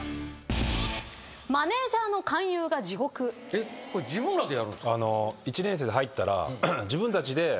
えっこれ自分らでやるんですか？